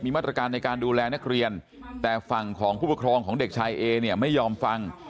มาตรการในการดูแลนักเรียนแต่ฝั่งของผู้ปกครองของเด็กชายเอเนี่ยไม่ยอมฟัง